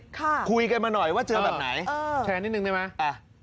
ค่ะคุยกันมาหน่อยว่าเจอแบบไหนเออแชร์นิดนึงได้ไหมอ่ะ